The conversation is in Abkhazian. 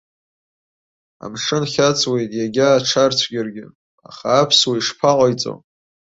Амшын хьаҵуеит, иага аҽарцәгьаргьы, аха аԥсуа ишԥаҟаиҵо?